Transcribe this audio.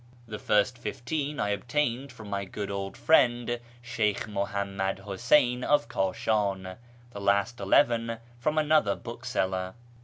The first fifteen I obtained from my good old friend Sheykh Muhammad Huseyn of Kashan, the last eleven from another bookseller.